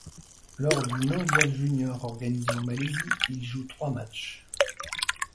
Lors du mondial junior organisé en Malaisie, il joue trois matchs.